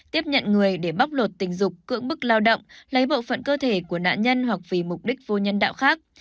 tiếp nhận người để bóc lột tình dục cưỡng bức lao động lấy bộ phận cơ thể của nạn nhân hoặc vì mục đích vô nhân đạo khác